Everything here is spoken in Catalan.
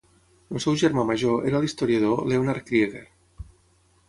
El seu germà major era l'historiador Leonard Krieger.